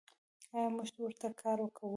آیا موږ ورته کار کوو؟